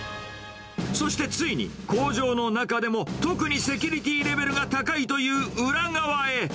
そしてついに、工場の中でも特にセキュリティーレベルが高いという裏側へ。